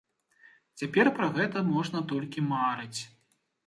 Цяпер пра гэта можна толькі марыць.